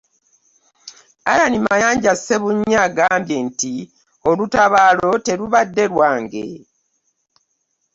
Allan Mayanja Ssebunnya, agambye nti olutabaalo terubadde lwange